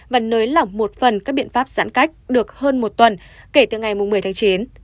và nới lỏng một phần các biện pháp giãn cách được hơn một tuần kể từ ngày một mươi tháng chín